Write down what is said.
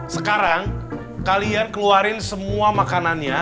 sekarang kalian keluarin semua makanannya